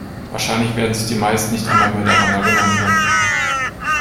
Wahrscheinlich werden sich die meisten nicht einmal mehr daran erinnern können.